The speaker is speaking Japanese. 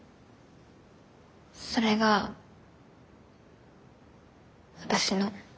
それが私の。